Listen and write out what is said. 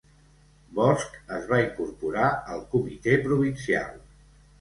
Bosch es va incorporar al Comitè Provincial.